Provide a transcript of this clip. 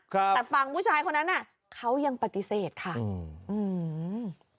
ครับแต่ฝั่งผู้ชายคนนั้นอ่ะเขายังปฏิเสธค่ะอืมอืม